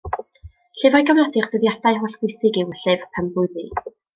Llyfr i gofnodi'r dyddiadau hollbwysig yw Y Llyfr Penblwyddi.